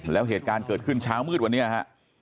แล้วเหตุการณ์เกิดขึ้นเช้ามืดวันนี้ฮะ